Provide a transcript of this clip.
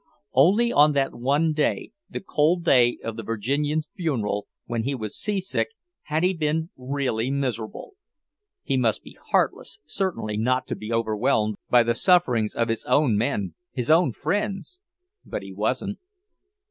Only on that one day, the cold day of the Virginian's funeral, when he was seasick, had he been really miserable. He must be heartless, certainly, not to be overwhelmed by the sufferings of his own men, his own friends but he wasn't.